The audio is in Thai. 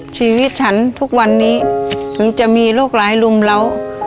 ชีวิตฉันทุกวันนี้ถึงจะมีโรคร้ายรุมเล้า